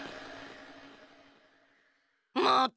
また！